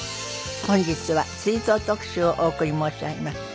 本日は追悼特集をお送り申し上げます。